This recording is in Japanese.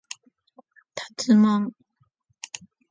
たつまん